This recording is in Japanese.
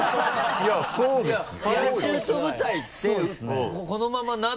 いやそうですよね？